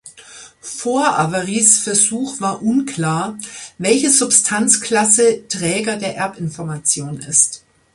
Vor Averys Versuch war unklar, welche Substanzklasse Träger der Erbinformation ist.